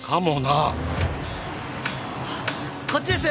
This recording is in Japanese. あっこっちです！